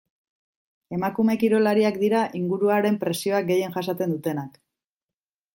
Emakume kirolariak dira inguruaren presioa gehien jasaten dutenak.